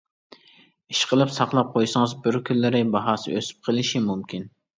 ئىشقىلىپ ساقلاپ قويسىڭىز، بىر كۈنلىرى باھاسى ئۆسۈپ قېلىشى مۇمكىن.